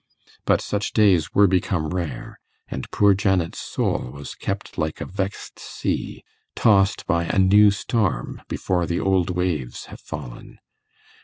But such days were become rare, and poor Janet's soul was kept like a vexed sea, tossed by a new storm before the old waves have fallen.